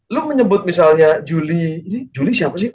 lu menyebut misalnya juli ini juli siapa sih